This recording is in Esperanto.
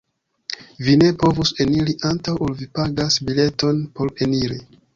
"Vi ne povus eniri antaŭ ol vi pagas bileton por eniri.